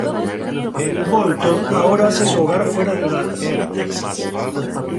Bolton ahora hace su hogar fuera de Dallas, Texas.